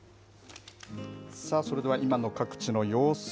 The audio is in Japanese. それでは今の各地の様子